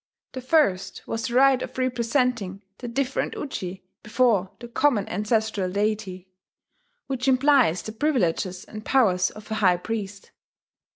The first was the right of representing the different Uji before the common ancestral deity, which implies the privileges and powers of a high priest.